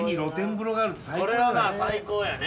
最高やね